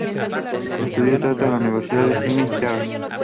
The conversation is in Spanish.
Estudió Teatro en la Universidad Finis Terrae.